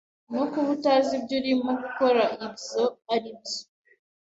no kuba utazi ibyo urimo gukora ibyo ari byo